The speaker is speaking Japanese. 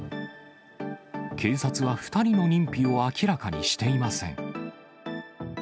警察は２人の認否を明らかにしていません。